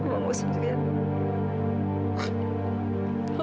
ma mau sendirian